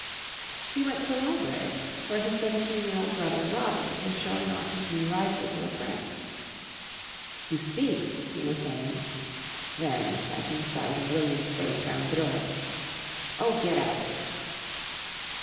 He went to the library, where his seventeen year old brother Robert was showing off his new rifle to a friend. "You see " he was saying, then, catching sight of William's face round the door, "Oh, get out!"